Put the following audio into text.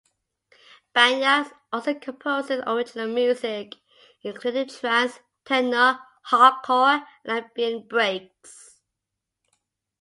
BanYa also composes original music including trance, techno, hardcore and ambient breaks.